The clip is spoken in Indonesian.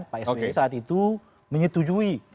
pak sby saat itu menyetujui